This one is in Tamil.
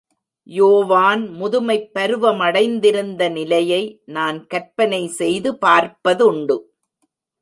யோவான் முதுமைப் பருவமடைந்திருந்த நிலையை நான் கற்பனை செய்து பார்ப்பதுண்டு.